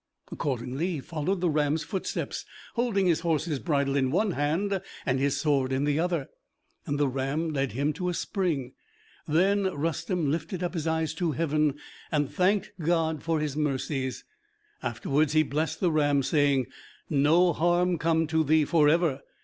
Accordingly he followed the ram's footsteps, holding his horse's bridle in one hand and his sword in the other, and the ram led him to a spring. Then Rustem lifted up his eyes to heaven and thanked God for his mercies; afterwards he blessed the ram, saying, "No harm come to thee forever!